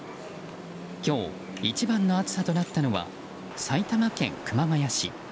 今日一番の暑さとなったのは埼玉県熊谷市。